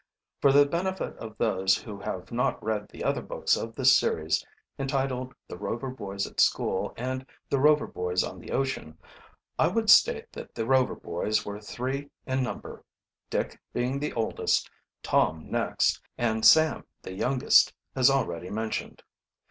For the benefit of those who have not read the other books of this series, entitled "The Rover Boys at School" and "The Rover Boys on the Ocean," I would state that the Rover boys were three in number, Dick being the oldest, Tom next, and Sam the youngest, as already mentioned.